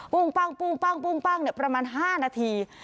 ปุ่งปังปุ่งปังปุ่งปังประมาณ๕นาที